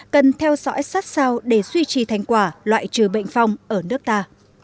cần theo dõi sát sao để duy trì thành quả loại trừ bệnh phong ở nước ta